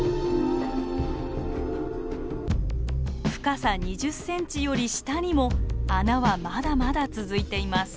深さ２０センチより下にも穴はまだまだ続いています。